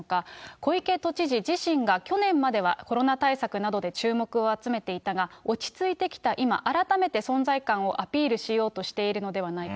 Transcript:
小池都知事自身が、去年まではコロナ対策などで注目を集めていたが、落ち着いてきた今、改めて存在感をアピールしようとしているのではないか。